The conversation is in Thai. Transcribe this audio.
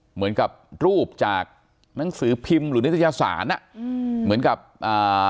เหมือนกับรูปจากหนังสือพิมพ์หรือนิตยสารอ่ะอืมเหมือนกับอ่า